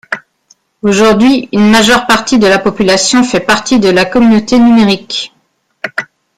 Aujourd'hui, une majeure partie de la population fait partie de la communauté numérique.